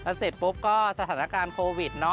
เสร็จปุ๊บก็สถานการณ์โควิด